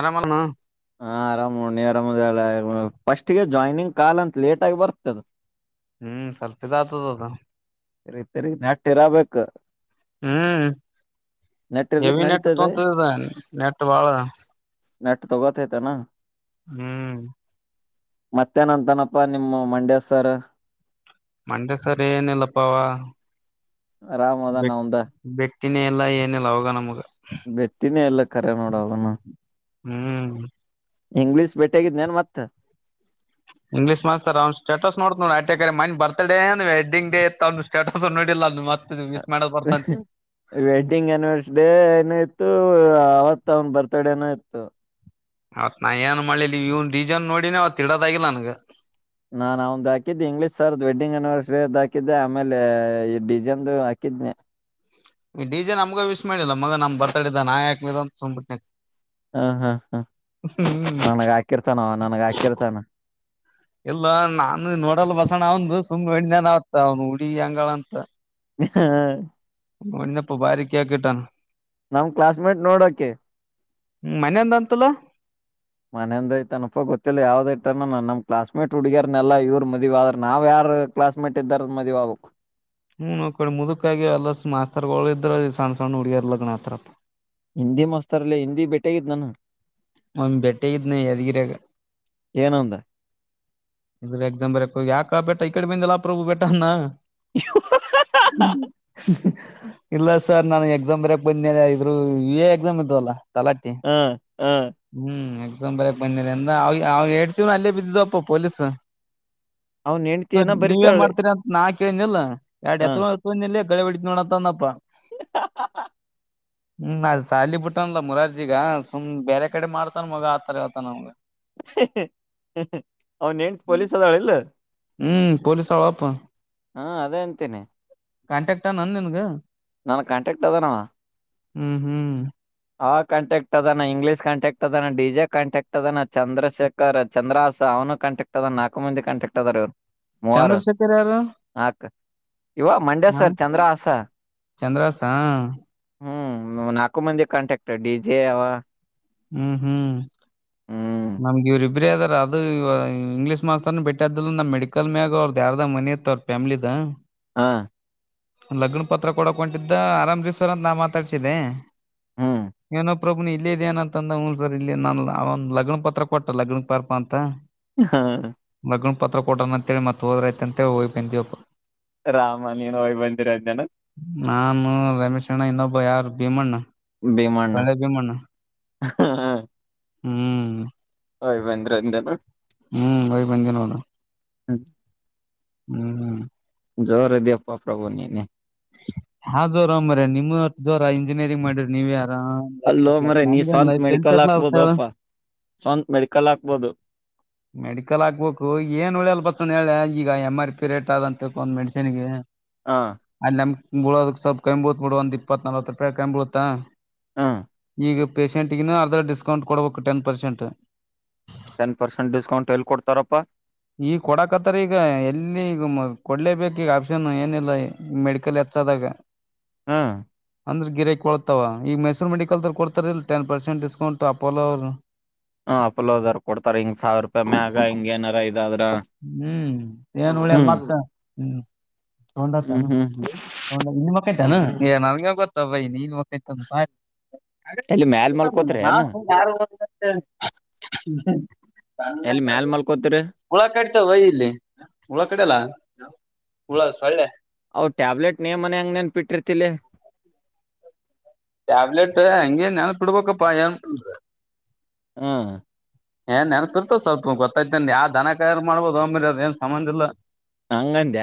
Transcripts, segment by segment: ಆರಾಮನು ಹಾ ಆರಾಮ್ ನೋಡ್ ನೀ ಆರಾಮ್ ಫಸ್ಟ್ಗೆ ಜಾಯ್ನಿಂಗ್ ಕಲ್ ಅಂತ ಲೇಟ ಆಗಿ ಬರ್ತದ ಹ್ಮ್ ಸ್ವಲ್ಪ ಇದಾತುದದು ರಿಪೇರಿ ನೆಟ್ ಇರಬೇಕು ಹ್ಮ್ ನೆಟ್ ಇರ್ಲಿಕ್ ಹೆವಿ ನೆಟ್ ನಡೀತದ ತೊಂತದ ನೆಟ್ ಬಾಳ ನೆಟ್ ತೊಗತೈತೇನು ಹ್ಮ್ ಮತ್ತೇನಂತನಪ್ಪಾ ನಿಮ ಮಂಡ್ಯ ಸರ್ ಮಂಡ್ಯ ಸರ ಏನಿಲ್ಲಪ್ಪ ಅವ ಆರಾಮ ಅದನ್ ಒಂದ ಇನ್ನ ಎಲ್ಲ ಏನಿಲ್ಲ ಅವಾಗ ನಮ್ಗ ಬೆಟ್ಟಿನೇ ಇಲ್ಲ ಕರೆ ನೋಡ ಅವನು ಹ್ಮ್ ಇಂಗ್ಲಿೀಷ್ ಭೇಟೆಗಿದ್ ನೇನ್ ಮತ್ತೆ ಇಂಗ್ಲೀಷ್ತ ಅವ್ನ್ ಸ್ಟೇಟಸ್ ನೋಡ್ತ ಆ ಮ ಬರ್ತ್ಡೇ ವಡ್ಡಿಂಗ್ ಡೇ ಇತ್ ಅವ್ ಸೇಟಸ್ ನೋಡಿಲ್ಲತ್ತ ವೆಡ್ಡಿಂಗ್ ಎನಿವರ್ಸ ಡೇ ಇ ಆವತ್ ಅವನ್ ಬರ್ತಡೇನ ಇತ್ತು ಅವತ್ ನಾ ಏನ್ ಮಾಡ್ಿಲ್ಲ ಇವನ್ ರೀಜನ್ ನೋಡಿನ ಅವತ್ ಇಡೋದಾಗಿಿಲ್ಲ ನನ್ಗ ನಾನ್ ಅವ್ದ್ ಹಾಕಿದ್ದೆ ಇಂಗ್ಲೀಷ್ ಸರ್ದ್ ವೆಡ್ಡಿಂಗ್ ಅನಿವರ್ಸರಿ ಅದ ಹಾಕಿದ್ದೆ ಆಮೇಲೆ ಡಿಸೈನ್ ಹಾಕಿದನನೆ ಡಿಜೆ ನಮ್ಗ ವಿಶ್ ಮಾಡಿಲ್ಲ ಮ ನಮ ಬತಾಿದ್ದ ನಾ ಹಾಕ್ಿದ ಅಂತು್ಿಟ್ಟನೆ ಹಾ ಹಾ ಹಾ ಹ್ಮ ನನಗ್ ಹಾಕಿರ್ತಾನವ ನನಗ್ ಹಾಕಿರ್ತಾನ ಇಲ್ಲ ನಾನ ನೋಡಲ್ಲ ಬಸೋಣ್ಣ ಅವನ್ ತುಮ್ ಎಣ್ಣನ್ ಆತ್ತ ಅವ್ನು ಹುಡುಗಿ ಅಂಗಳ ಅಂತ ಹ್ಮ ಇನ್ನಪ್ಪ ಭಾರಿ ಕೇಕಟ್ಟಾನ ನಮ್ ಕ್ಲಾಸ್ಮೇಟ್ ನೋಡೋಕೆ ಹ್ಮ್ ಮನೆೆಯಂದ ಅಂತಲ ಮನೆಯಂದೈಐತ ಅನಪ ಗೊತ್ತಿಲ್ಲ ಯಾವ್ದ ಟ್ಟನ ನಮ್ ಕ್ಲಾಸ್ಮೇಟ್ ಹುಗ್ಯಾರ್ನ್ನನೆಲ್ಲ ಇವರು ಮದುವೆ ಆದ್ರ ನಾವ್ ಯಾರ ಕ್ಲಾಸ್ಮೇಟ್ ಇದ್ದಾರದ ಮದುವೆ ಆಗ್ಬೇಕು ಹ್ಮ್ ಕಡೆ ಮುದುಕಾಗಿ ಅಲ್ಲ ಮಾಸ್ತರ್ಗಳ ಇದ್ರ ಸಣ್ಣ ಸಣ್ಣ ಹುಡುಗ್ಯರ್ ಲಗ್ನ ಆತರಪ್ಪ ಹಿಂದಿ ಮಾಸ್ತರ್ಲ್ಲ ಹಿಂದಿ ಭೇಟೆಗಿದ್ ನಾನು ಮ ಬೆಟ್ಟ ಇನ ಎದಗಿರ ಏನಂದ ಇದ್ರ ಎಕ್ಸಾಂಬರ್ ಯ ಯಾಕಾ ಬೆಟ್ಟ ಈ ಕಡೆ ಬಂದಲ್ಲಾ ಪ್ರಭು ಬೆಟನ್ನ ಹೇ ಹೇ ಇಲ್ಲ ಸರ್ ನಾನು ಎಕ್ಸಾಮ್ ಬರಕ್ ಬಂದೇನೆ ಇದ್ರು ಯು ಎ ಎಕ್ಸಾಮ್ ಇದ್ದವಲ್ಲ ತಲಾಟೆ ಹ ಹ ಹ್ಮ್ ದಂಬರ ಮನ್ನಿರೆ ಎೇಡತ ಅಲ್ಲೇ ಬಿಿದ್ದ ಪೋಲ್ಲೀಸ್ ಸ ಅವ್ನ ಹೆಂಡ್ತಿ ಸ ಏನ ನೀವೇನ್ ಬರಿತಾಳೆ ಮಾಡ್ತೀರ ಅಂತ ನಾಕ ಕೇಳಿಲ್ಲ ಎಡು ಹ ಎತ್ತುತ್ತು ಇಲ್ಲ ೋಡಾಂದಪ್ಪಾ ಹೇ ಹಾ ಹ್ಮ್ ಅದ್ ಸಾಲಿ ಬಿಟ್ಟನ್ಲ ಮುರಾರ್ಜಿಗ ಸುಮ್ ಬೇರೆ ಕಡೆ ಮಾಡ್ತಾನ ಮಗ ಆತರ ಆತಾನಮಗ ಹ್ಮ ಅವ್ನು ಯೆಂಗ್ ಪೋಲೀಸು ಆದ ಹ್ಮ್ ಪೊಲೀಸ್ ಅವಪ್ಪ ಹಾ ಅದೇ ಅಂತೀನೆ ಕಾಂಟ್ಯಾಕ್ಟ್ ನನ್ ನಿನ್ಗ ನನ್ ಕಾಂಟ್ಯಾಕ್ಟ್ ಅದನವಾ ಹ್ಮ್ ಹ್ಮ್ ಆ ಕಾಂಟಕ್ಟ್ ಅದಾನ ಇಂಗ್ಲೀಷ್ ಕಾಂಟ್ಯಾಕ್ಟ್ ಅದನ ಡಿಜೆ ಕಾಂಟ್ಯಾಕ್ಟ್ ಅದನ ಚಂದ್ರಶೇಖರ್ ಚಂದ್ರಹಾಸ ಅವನು ಕಾಂಟ್ಯಾಕ್ಟ್ ಅದ ನಾಲ್ಕು ಮಂದ ಕಾಂಟ್ಯಾಕ್ಟ್ ಅದಾರ ಇವರು ಮೂವಾರ ಚಂದ್ರಶೇಖರ್ ಯಾರು ಹಾಕ್ ಇವ ಮಂಡ್ಯ ಸರ್ ಚಂದ್ರ ಹಸ ಚಂದ್ರವಾಾಸಾ ಹ್ಮ್ ನಾಲ್ಕು ಮಂದಿ ಕಾಂಟ್ಯಾಕ್ಟ್ ಡಿ ಜೆ ಅವ ಹ್ಮ್ ಹ್ಮ್ ಹ್ಮ್ ನಮ್ಗ ಇವ್ರ ಇಬ್ರೇ ಅದಾರ ಅದು ಇಂಗ್ಲೀಷ್ ಮಾಸ್ಟರ್ನ ಬಿಟ್ಟದ್ದಲ್ಲ ನಮ್ಮ್ ಮೆಡಿಕಲ್ ಮ್ಯಾಗ ಅವ್ರ್ದ ಯಾರದ ಮನಿ ಇತ್ ಅವ್ರ ಫ್ಯಾಮಿಲಿದ ಹಾ ಲಗ್ನ ಪತ್ರ ಕೊಡಕ್ ಹೊಟಿದ್ದ ಅರಾಮೀ್ರ್ ಅಂತ ನಾ ಮಾತಾಡ್ಸಿದ್ದೆ ಹ್ಮ್ ಏನೋ ಪ್ರಭು ಇಲ್ಲ ಇದ ಏನಂತಂದ ಹ ಸರ್ ಇಲ್ಲಿ ನನ್ ಅವ ಲಗ್ನ ಪತ್ರ ಕೊಟ್ಟ ಲಗ್ನ ಪಾರ್ಪ ಅಂತ ಹಾ ಪತ್ರ ಕೊಡಣ ಅಂತೇಳಿ ಮತ್ತ ಹೋದ್ರಾಯ್ತ ಅಂತ ಹೇಳ ಹೋಗ್ ಬಂದಿವವಪ್ಪ ರಾಮ್ ನಾನು ರಮೇಶ್ ಅಣ್ಣ ಇನ್ನೊಬ್ಬ ಭಯಾರ ಬೇಮಣ್ಣ ಸಳ್ಳ ಬ ಮಾಡ್ಣ ಹಾ ಹಾ ಹ್ಮ್ ಹಯ್ ಬಂದ್ರಂದನು ಹ್ಮ್ ಯ್ ಬಂದ ನೋಣ [unintelligible] ಹಾಗ [unintelligible] ಹ್ಮ್ ಹ್ಮ ಜರದ ಅಪ್ಪಾ ಪ್ರಭು ನೀನೆ ಹಾ ಜೋರ ಮ್ರ ನಿಮ್ ಜೋರ ಇಂಜಿನಿಯರಿಂಗ್ ಮಾಡಿ್ರಿ ನೀವ ಯಾರ ಅಲ್ಲೋ ಮಾರಾಯ ನೀ ಸ್ವಂತ ನಮನ್ಲ ಮೆಡಿಕಲ್ ಆತಾಳ ಹಾಕ್ಬೋದಪ್ಪ ಸ್ವಂತ ಮೆಡಿಕಲ್ ಹಾಕ್ಬೋದು ಮೆಡಿಕಲ್ ಆಗ್ಬೇಕು ಏನ್ ಉಳಿಯಲ್ ಬ ಅ ಹೇಳೆ ಈಗ ಎಮ್ ಆರ್ ಪಿ ರೇಟ್ ಆದಂತ ಒಂದ ಮೆಡಿಸನ್ಗೆ ಹಾ ಅಲ್ಲಿ ನಮ್ಗ್ ಬಿಳೋದಕ್ ಸ್ವಪ ಕ್ಂಬೂತ್ ಬಿಡ ಒಂದ್ ಇಪ್ಪತ್ ನಲ್ತ್ ರೂಪಾಯಿ ಕೈ್ ಬಿಳುತ್ತಾ ಹ್ಮ ಈಗ ಪೇಷೆಂಟ್ಗಿನ ಅರ್ಧ ಡಿಸ್ಕೌಂಟ್ ಕೊಡ್ಬೇಕು ten percent ten percent discount ಎಲ್ಲಿ ಕೊಡ್ತಾರಪ್ಪಾ ಈಗ ಕೊಡಾಕತ್ತರಿ ಈಗ ಎಲ್ಲಿ ಈಗ ಕೊಡ್ಲೇಬೇಕ ಈಗ ಆಪ್ಷನ್ ಏನಿಲ್ಲ ಈ ಮೆಡಿಕಲ್ ಹೆಚ್ಚದಾಗ ಹಾ ಅಂದ್ರ ಗಿಕ್ ಕೊಳತವ ಈಗ ಮೈಸೂರು ಮೆಡಿಕಲ್ದರು ಕೊಡ್ತಾರಲ್ ಟೆನ್ ಪರ್ಸೆಂಟ್ ಡಿಸ್ಕೌಂಟ್ ಅಪೋ ಅವರು ಹ ಪಲೋದರ್ ಕೊಡ್ತಾರೆ ಹಿಂಗ ಸಾವರ ರೂಪಾಯಿ ಮ್ಯಾಗ ಹಿಂಗ ಏನಾರ ಇದಾದ್ರ ಹ್ಮ್ ಏನ್ ಉಳಿಯಲ್ಲ ಹ್ಮ್ ಮತ್ತ ಹ್ಮ್ ಹ್ಮ್ ತಗೊಂಡತಾನ ಹ್ಮ್ ತೊಂಡ ನಿ ಮಕ್ಕ [unintelligible] ಈ ನನಗೆ ಗೊತ್ತ ಬಯ ನೀನ್ ಮ ಎಲ್ಲಿ ಮ್ಯಾಲ ಮಲ್ಕೋತ್ರಿ ಯ ಏನ್ ಎಲ್ಲಿ ಮ್ಯಾಲ ಮಲ್ಕೋತ್ರಿ ಹುಳ ಕಡ್ತಾವ ವೈ ಇಲ್ಲಿ ಹುಳ ಕಡಲ್ಲ ಹುಳ ಒಳ್ಳೆ ಅವ ಟ್ಯಾಬ್ಲೆಟ್ ನೀ ಮನೆ ಅಂಗ ನೆನ್ಪಿಟ್ಟಿರ್ತಿಲ್ಲಿ ಟಾಬ್ಲೆಟ್ ಅಂಗ ನ್ ಪಡವಕ್ಕ ಪಾಯನ್ ಹಾ ಏನ್ ನೆನ್ಪಿರ್ತವ ಸ್ವಲ್ಪ ಗೊತ್ತ್ತ ಯಾವ್ ದನ ಕಾರ ಮಾಡಬೋದು ಅ ಮೇರಿ ಅದ ಏನ್ ಸಂಬಂ ಇಿಲ್ಲ ಅಂಗಂದ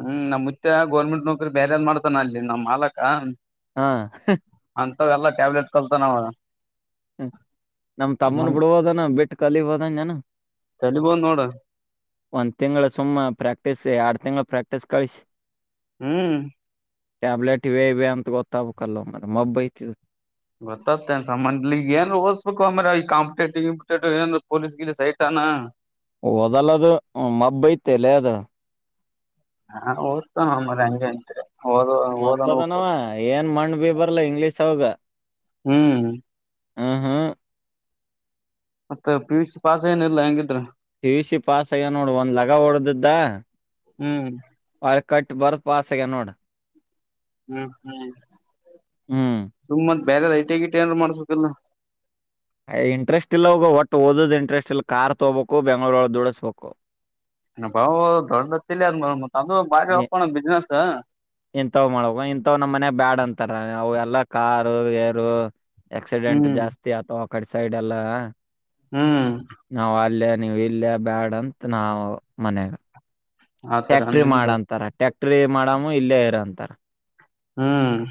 ಹ್ಮ್ ನಮ್ುತ್ತ ಗೌರ್ಮೆಂಟ್ ನೌಕರಿ ಬೇರೆಏ್ ಮಾಡತಾನ ಅಲ್ಲಿ ನಮ್ ಮಾಲಕ ಹಾ ಅಂತ ಎಲ್ಲಾ ಟ್ಯಾಬ್ಲೆಟ್ ಕಲ್ತ ನಾವ ಹ್ಮ ನಮ್ ತಮ್ಮನ್ ಬಿಡಬೋದನ್ನು ಕ ತಲಿಬೋದ್ ನೋಡು ಹ ಒ ಸು ಪ್ರಾಕ್ಟೀಸ್ ಎರಡು ತಿಂಗಳು ಪ್ರಾಕ್ಟೀಸ್ ಕಿಸ ಹ್ಮ್ ಟ್ಯಾಬ್ಲೆಟ್ ಇವೆೇ ಇವೆ ಅಂತ ಗೊತ್ತವು ಕಲ್ಲ ಮ್ರ ಮಬ್ಬ ಯತ ಗೊತ್ತತ್ತೇನ್ ಸನ್ಲಿ ಏನ್ ಓಲ್ಸ್ಬೇಕು ಅಂದ್ರ ಈ ಕಾಂಪಿಟೇಟಿವ್ ಗಿಂಪ್ಟೇಟಿವ್ ಏನ್ ಪೊಲೀಸ್ ಗಿಲೀಸ್ ಐತನಾ ಓದಲ್ಲ ಅದು ಮಬ್ಬ್ ಐತ್ತಲೇ ಅದ್ ಹಾ ಓದತಮ್ಮ ಮಾರಯ್ಯ ಹಂಗೆ ಅಂತೀರ ಮಬ್ಬದನವ ಏನ್ ಮಣ್ ಬಿ ಬರ್ಲ ಇಂಗ್ಲೀಷ್ ಒಳಗ್ ಹ್ಮ್ ಹ್ಮ್ ಮತ್ತ ಪಿ ಯು ಸಿ ಪಾಸ್ ಏನ ಇಲ್ಲಾ ಹೆಂಗಿದ್ರ ಪಿ ಯು ಸಿ ಪಾಸ್ ಅಯ್ಯ ನೋಡು ಒಂದ್ ಲಗ ಹೊಡೆದಿದ್ದ ಹ್ಮ್ ಹೊಳ್ಳಿ ಕಟ್ ಬರದ್ ಪಾಸ್ ಅಗ್ಯನ್ ನೋಡು ಹ್ಮ್ ಹ್ಮ್ ಹ್ಮ್ ತುಂಬ ಬೇರೆ ಐಟಗಿಟ ಏನ್ರಾ ಮಾಡಿಸಬೇಕಿಲ್ಲ ಅಯ್ಯಾ ಇಂಟ್ರೆಸ್ಟ್ ಇಲ್ಲವ ಒಟ್ಟು ಓದ್ ಇಂಟ್ರೆಸ್ಟ್ ಇಲ್ಲ ಕಾರ್ ತಗೋಬೇಕು ಬೆಂಗ್ಗಳೂರೊಳಗ್ಗ್ ದುಡಿಸ್ಬೇಕು ನ ಬಾವು ದೊ್ತ್ತಿಲ್ಲ ಅ ತದು ಬಾರಿ [inaudible] ಬಿಜನೆಸ್ ಹಾ ಇಂಥವ್ ಮಾಡಕ ಇಂಥವ್ ನಮ್ಮ್ ಮನೆ ಬ್ಯಾಡ್ ಅಂತಾರ ಅವ ಎಲ್ಲ ಕಾರು ಏರು ಎಕ್ಸಿಡೆಂಟ್ ಹ್ಮ್ ಜಾಸ್ತಿ ಆತ ಕಡೆ ಸೈಡ್ ಎಲ್ಲ ಹ್ಮ್ ನಾವ್ ಅಲ್ಲೇ ನೀವ್ ಇಲ್ಲೇ ಬ್ಯಾಡ ಅಂತ ನಾ ಮನೆ ಆತರ ಟ್ಯಾಕ್ಟ್ರಿ ಮಾಡ ನಿಮ್ದ ಅಂತಾರ ಟ್ಯಾಕ್ ಟ್ರೇ ಮಾಡಾಮ ಇಲ್ಲೇ ಇರಂತಾರ ಹ್ಮ್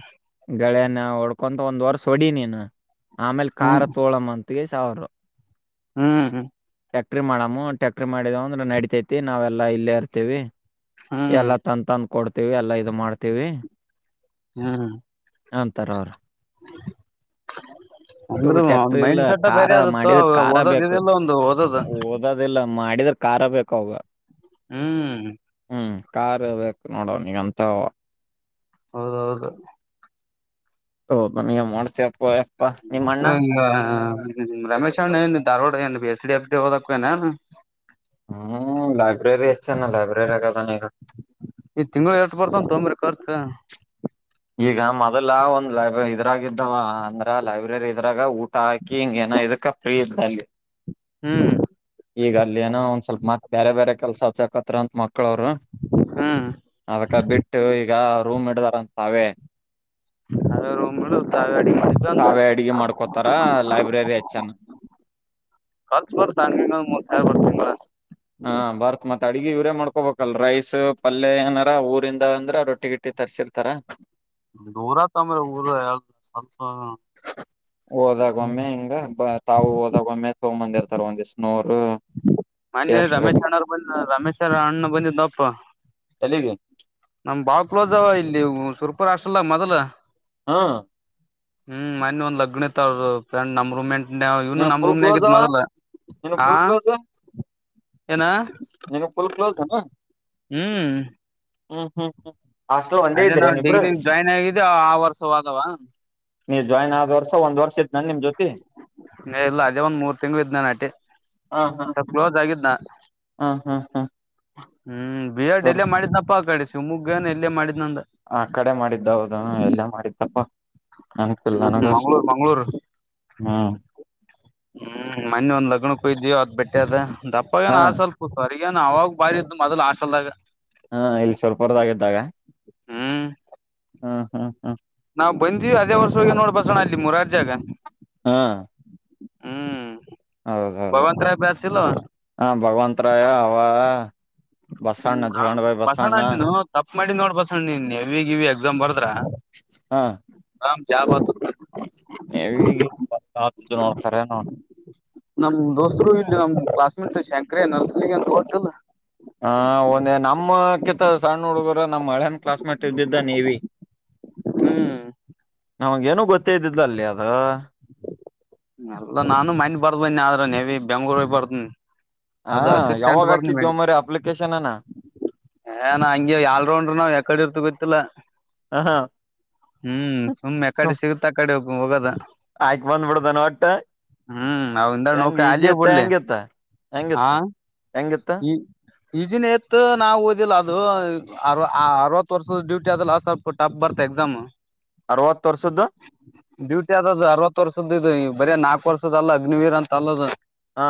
ಳೆ ನ ಹೊಡ್ಕೊಂತ ಒಂದ್ ವರ್ಷ ಹೊಡಿ ನೀನು ಆಮೇಲೆ ಕಾರ ತೋಳಮ್ಮ್ ಅಂತ [inaudible] ಸಾವಿರ ಹ್ಮ್ ಹ್ಮ್ ಟ್ಯಾಕ್ಟ್ರಿ ಮಾಡಮ್ಮ ಟ್ಯಾಕ್ಟ್ರ ಮಾಡಿದ ಅ್ರ ನಡಿತೈತಿ ನಾವೆಲ್ಲ ಇಲ್ಲೇ ಇರತಿ ತ್ತೇವೆ ಹ್ಮ್ ಎಲ್ಲ ತನ್ ತನ್ ಕೊಡ್ತೀವಿ ಎಲ್ಲ ಇದು ಮಾಡ್ತೀವಿ ಹ್ಮ್ ಅಂತರ ಅವ್ರು ಇವಾಗ ಅಂದ್ರು ಒಂದ್ ಟ್ಯಾಕ್ಟ್ರಿ ಇಲ್ಲ ಮೈಂಡ್ ಸೆಟ್ ಕಾರ ಬೇರೆ ಆದತ್ತು ಮಾಡಿದ್ರ ಕಾರ ಓದೋದ್ ಬೇಕು ಇದಲ್ಲ ಒಂದು ಓದದ ಓದೋದಿಲ್ಲ ಮಾಡಿದ್ರ ಕಾರ ಬೇಕ ಅವಂಗ್ ಹ್ಮ್ ಹ್ಮ್ ಕಾರ್ ಬೇಕು ನೋಡ ಅವನೀಗ ಹೆಣ್ತಾವು ಹೌದೌದು ಹೌ ಬ ಮಾಡ್ತ ಎಪ್ಪೋ ಏಪ್ಪ ನಿಮ್ಮ ಅಣ್ಣ ಹ್ಮ ರಮೇಶ್ ಅಣ್ಣ ಏನ್ ಧಾರವಾಡ ಏನ್ B S D F D ಓದಕ್ಕು ಏ ಹ್ಮ್ ಲೈಬ್ರರಿ ಹೆಚ್ಚಣ ಲೈಬ್ರೆರಿ ಆಗದಾನ ಇ ಖರ್ಚು ಈಗ ಮೊದಲ ಒಂದ್ ಲೈಬ್ರರಿ ಇದ್ರಾಗಿದ್ದವ ಅಂದ್ರ ಲೈಬ್ರರಿ ಇದ್ರಾಗ ಊಟ ಹಾಕಿ ಹಿಂಗ ಏನ ಇದಕ್ಕ ಫ್ರೀ ಇದ್ದ ಅಲ್ಲಿ ಹ್ಮ್ ಈಗ ಅಲ್ಲಿ ಏನ ಒಂದ್ ಸ್ವಲ್ಪ ಮತ್ ಬೇರೆ ಬೇರೆ ಕೆಲಸ ಅಚ್ಚಗಂತ [unintelligible] ಮಕ್ಕಳವರು ಹ್ಮ್ ಅದಕ್ಕ ಬಿಟ್ಟು ಈಗ ರೂಮ್ ಇಡ ತಾವೆ ಸಾವಾವ ಅಡಂತ ತಾವೇ ಅಡಿಗೆ ಮಾಡ್ಕೋತಾರ ಲೈಬ್ರರಿ ಹೆಚ್ಚನ ಕರ್ಚ ಬರ್ತಂಗ ಮೂರ್ ಸಾವಿರ ಬರ್ತಂಗ ಹಾ ಬರ್ತ್ ಮತ್ತತ್ ಅಡ್ಗಿ ಇವರೇ ಮಾಡ್ಕೋಬೇಕಲ್ ರೈಸ್ ಪಲ್ಯ ಏನಾರ ಊರಿಂದ ಅಂದ್ರ ರೊಟ್ಟಿಗಿಟ್ಟಿ ತರ್ಸಿರ್ತಾರ ದೂರ ತಮ್ಮ ಈ ಊರು ಸಲ್ಪ ಹೋದಾಗ ಒಮ್ಮೆ ಹಿಂಗ ತಾವು ಹೋದಾಗ ಒಮ್ಮೆ ತಗೊಂಡು ಬಂದಿರ್ತಾರೆ ಒಂದಿಷ್ಟು ಮನೆಗೆ ರಮೇಶಣ್ಣ ಅವರು ಬಂದಿದ್ರು ರಮೇಶಣ್ಣ ಬಂದಿದ್ದಪ್ಪ ತಲಿಗಿ ನಮ ಬಾಳ್ ಕ್ಲೋಜ್ ಅವ ಇಲ್ಲಿ ಸುರ್ಪರ್ ಅಷ್ಟೇ ಹಾಸ್ಟಲ್ ಮೊದಲ ಹಾ ಮೊನ್ನೆ ಒಂದು ಲಗ್ನ ಇತ್ತು ನಮ್ಮ ಫ್ರೆಂಡು ರೂಮ್ ಮೇಟ್ ಇ ಇವನು ನಿನ್ ನಮ್ ಫುಲ್ ರೂಮ್ನ ಕ್ಲೋಸ್ ಆಗಿದ ಅವ ಮೊದಲ ನಿನ್ ಫುಲ್ ಹ ಕ್ಲೋಸ್ ಏನ ನಿನ್ ಫುಲ್ ಕ್ಲೋಸ್ ಅನ ಹ್ಮ್ ಹಾ ಹಾ ಅದೇ ನಾವ್ ಡಿಗ್ರಿ ಜಾಯ್ನ್ ಆಗಿದ ಆ ವರ್ಷವಾದವ ನೀವ ಜಾಯಿನ್ ಆದ ವರ್ಷ ಒಂದ್ ವರ್ಷ ಇದತ್ ನನ್ ನಿಮ್ ಜೊತೆ ಇಲ್ಲ ಅದೇ ಒಂದ್ ಮೂರ್ ತಿಂಗ್ಳ ಇದ್ನ ನಾಟಿ ಹ ಹ ಸ್ವಲ್ ಕ್ಲೋಸ್ ಆಗಿದ್ನ ಹ ಹ್ಮ್ ಹಾ ಹ್ಮ್ ಬಿಯರ್ ಸರ್ ಡೆಲೇ ಮಾಡಿದ್ ದಪ್ಪ ಆ ಕಡೆ ಶಿವಮೊಗ್ಗನ್ ಎಲ್ಲೇ ಮಾಡಿ ಆ ಕಡೆ ಮಾಡಿದ್ದ ಹೌದು ಎಲ್ಲಾ ಮಾಡಿದ್ದಪ್ಪ ನನನಕಷ್ಟ ಮಂಗ್ಳೂರ್ ಮಂಗ್ಳೂರ್ ಹ್ಮ ಹ್ಮ್ ಮನೆಿ ಒಂದ್ ಲಗ್ನಕ್ಕಯ್ದೀೋ ಅದ್ ಬೆಟ್ಟೆ ಅದ ದಪ್ಪಗೇನ ಹಾ ಆ ಸ್ವಲ್ಪ ಅಗಾನ ಅವಾಗ ಬಾರಿ ಇದ್ದು ಮೊದಲು ಹಾಸ್ಟೆಲ್ದಾಗ ಹಾ ಇಲ್ಲಿ ಸ್ವಲ್ಪ ಹೊರ್ದಾಗಿದ್ದಾಗ ಹ್ಮ್ ಹ್ಮ್ ಹ್ಮ್ ಹ್ಮ್ ನಾವ್ ಬಂದ್ೀವಿ ಅದೇ ವರ್ಷ ಹೋಗಿ ನೋಡ್ ಬಸೋಣ ಅಲ್ಲಿ ಮುರಾರ್ಜಿದಾಗ ಹಾ ಹಾ ಹೌದ ಹೌದು ಹ ಭಗವಂತ ರಾಯ ಅವ ಬಸಣ್ಣ ಜಗಣ ಹ್ಮ್ ಬಾಯಿ ಬಸವಣ ಬಸಣ್ಣ ನೀನು ತಪ್ಪ ಮಾಡಿ ನೋಡ್ ಬಸಣ್ಣ ನೀ ನೇವಿ ಗಿವಿ ಎಕ್ಸಾಮ್ ಬರದ್ರ ಹಾ ಕ್ಯಾ ಬಾತ್ ನೇವಿ ಗಿವಿ ದು ನೋ ಖರೆ ನೋ ನಮ್ ದೋಸ್ತರು ಇಲ್ಲಿ ನಮ್ ಕ್ಲಾಸ್ಮೇಟ್ ಶಂಕ್ರ್ಯ ನರ್ಸಲಿಂಗ ಅಂತ ಗೊತ್ತಿಲ್ಲ ಹ ಒಂದ ನಮ್ಮ ಕಿತ್ತ ಸಣ್ಣ ಹುಡುಗರ ನಮ್ಮ್ ಹಳೆ ಕ್ಲಾಸ್ಮೇಟ್ ಇದ್ದಿದ್ದೆ ನೇವಿ ಹ್ಮ್ ನಮಗೇನು ಗೊತ್ತ ಇದ್ದುದಲ್ಲೇ ಅದ ಎಲ್ಲಾ ನಾನು ಮನ್ನೆ ಬರ್ದ ಬನ್ನಿ ಆದ್ರೆ ನೇವಿ ಬೆಂಗ್ಳೂರ್ ಹೋಗಿ ಬರ್ದನ್ ಹ ಅದು ಅಸಿಸ್ಟೆಂಟ್ ಯಾವಾಗ ಬರ್ ಹಾಕಿದ್ವ ಮರಿ ಅಪ್ಲಿಕೇಶನ್ನ ಏ ಹ ಆಲ್ ರೌಂಡರ್ ನಾ ಕಡೆ ಇರ್ತ ಗೊತ್ತಲ್ಲ ಹ ಹ್ಮ್ ಸುಮ್ಮನೆ ಸು ಕಡೆ ಸಿಗುತ್ತಾ ಆಕಡೆೋಗ ಹೋಗದ ನಟ್ಟ ಹ್ಮ್ ನಾವಿಂದ ಹೆಂಗ್ ನೋಕ ಈಜಿ ಅಲ್ಲಿ ಇತ್ತ ಬಿಡ್ಲಿ ಹೆಂಗತ್ತ ಹೆಂಗಿತ್ತು ಹೆಂಗಿತ್ತ ಈಜಿನ ಇತ್ ನಾವವು ಓದಿಲ್ಲ ಅದು ಅರವತ್ತು ವರ್ಷದ ಡ್ಯೂಟಿ ಅದಲ್ಲ ಸ್ವಲ್ಪ ಟಫ್ ಬರ್ತ ಎಕ್ಸಾಮ್ ಅರವತ್ ವರ್ಷದ್ದು ಡ್ಯೂಟಿ ಆದದುು ಅರವತ್ತು ವರ್ಷದ ವು ಬರೀ ನಾಲ್ಕ್ ವರ್ಷದ ಅಲ್ಲ ಅಗ್ನಿವೀರ್ ಅಂತ ಅಲ್ಲದು ಹಾ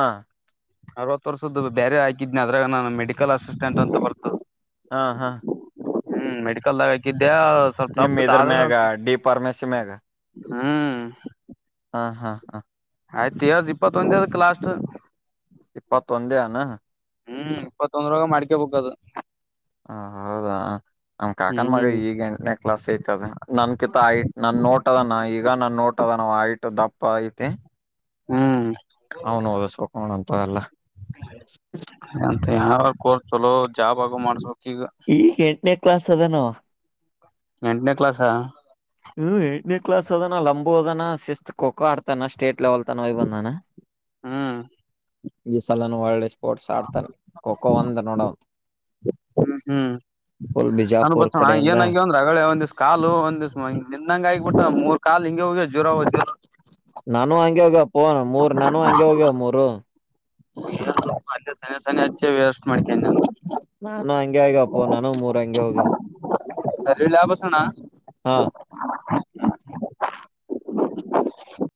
ಅರವತ್ ವರ್ಷದ್ದು ಬೇರೆ ಹಾಕಿದನನೆ ಅದ್ರಾಗ ನಾನು ಮೆಡಿಕಲ್ ಅಸಿಸ್ಟೆಂಟ್ ಅಂತ ಬರ್ತದೆ ಹ ಹ್ಮ್ ಮೆಡಿಕಲ್ದಾಗ ಆಕಿದ್ದು ನಿಮ ಇದ್ರ ಮ್ಯಾಗ ಡಿ ಪಫಾರ್ಮೆಸಿ ಮ್ಯಾಗ ಹ್ಮ್ ಹಾ ಹಾ ಹಾ ಆಯ್ತು್ ಇಪ್ಪತ್ತೊಂದದ ಲಾಸ್ಟ್ ಇಪ್ಪತ್ತೊಂದೇ ಏನ್ ಹ್ಮ್ ಇಪ್ಪತ್ತೊಂದ್ರ ಮಾಡ್ಕ ಬೇಕ್ ಅದು ಹ ಹೌದಾ ನಮ ಕಾಕನ್ ಮಗ ಹ್ಮ್ ಈಗ ಎಂಟನೇ ಕ್ಲಾಸ್ ತಿ ತದ ನನ್ ಕಿತ್ತ ಆಯ ನಾನ್ ನೋಟ ಅದನ ಈಗ ನಾ ನೋ ಪಟ್ಟತನ ಆ ದ ಪಾಯಿತ ಹ್ಮ್ ಹೌನ್ ಓದಿಸಬೇಕ ನೋಡ್ ಅಪ್ಪ ಏಲ್ಲ ಯಾ ಕೋರ್ ಚಲೋ ಜಾಬ ಅದು ಮಾಡಿಸಬೇಕ. ಈಗ ಎ ಕ್ಲಾಸ್ ಸೆವೆನ್ ಎಂಟನೇ ಕ್ಲಾಾಸಾ ಎಂಟನೇ ಕ್ಲಾಸ್ ಸ್ಪೋರ್ಟ್ಸ್ ಆಡ್ತಾನೆ ಖೋಖೋ ಒಂದ್ ನೋಡ ಹ್ಮ್ ಹ್ಮ್ ಫುಲ್ ನಾನು ಬಿಜಾಪುರ್ ಬರ್ಸೋಣ ಕಡೆಯಿಂದ ಏನಾಗಿ್ಯ ಅಂದ್ರೆ ಅಳೆ ಒಂದಿವ್ ಕಾಲು ಒಂದ್ [unintelligible] ಹ ನಿನ್ಂಗ ಆಗಿಬಿಟ್ಟ ಮೂರ್ ಕಾಲ್ ಹಿಂಗ ಹೋಗಿ ಜ್ರ ಹದ ನಾನು ಹಗೆ ಹೋಗ್ಯಪ್ಪ ಮೂರ್ ನಾನು ಹಂಗೆ ಹೋಗ್ಯವ ಮೂರು ಸನನೆ ಸನಿ ಹಚ್ಚೆ ವೇವಸ್ಟ್ ಮಾಡ್ಿಕಿು ನಾನು ಹಂಗೆ ಆಗಪ್ಪೋ ನಾನ ಮೂರಂಗೆ ಹೋಗ ಸರಿ ಲಾಭಸಣ್ಣ